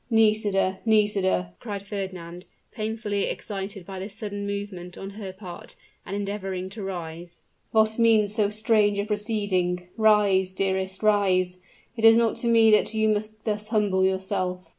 "Nisida, Nisida!" cried Fernand, painfully excited by this sudden movement on her part, and endeavoring to rise: "what means so strange a proceeding? Rise, dearest, rise; it is not to me that you must thus humble yourself!"